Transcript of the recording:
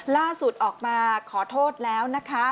ล่าสุดออกมาขอโทษแล้วนะคะ